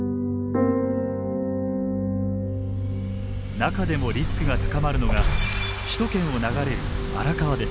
中でもリスクが高まるのが首都圏を流れる荒川です。